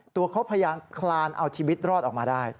ตัวเขาพยายามคลานเอาชีวิตรอดออกมาได้